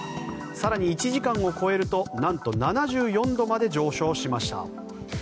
更に１時間を超えるとなんと７４度まで上昇しました。